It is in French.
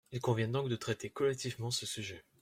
Il convient donc de traiter collectivement ce sujet.